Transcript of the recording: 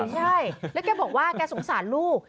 ใช่แล้วแกบอกว่าแกสงสารลูก